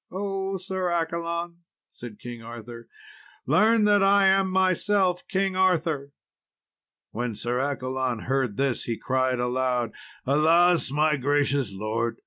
"O, Sir Accolon!" said King Arthur, "learn that I am myself King Arthur." When Sir Accolon heard this he cried aloud, "Alas, my gracious lord!